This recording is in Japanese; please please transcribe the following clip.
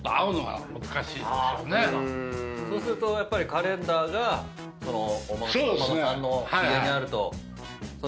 そうするとやっぱりカレンダーがお孫さんの家にあると。